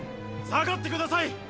下がってください！